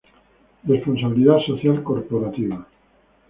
Responsabilidad social corporativa